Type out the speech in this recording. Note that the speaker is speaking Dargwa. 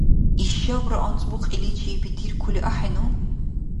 Ишабра анцӀбукь иличи бетиркули ахӀену?